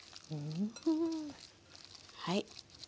はい。